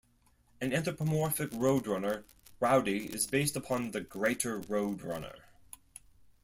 An anthropomorphic roadrunner, Rowdy is based upon the Greater Roadrunner.